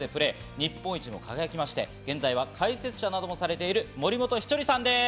日本一にも輝きまして、現在は解説者などもされている森本稀哲さんです。